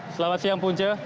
selamat siang punca